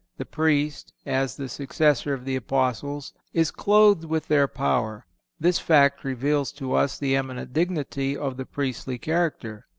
The Priest, as the successor of the Apostles, is clothed with their power. This fact reveals to us the eminent dignity of the priestly character.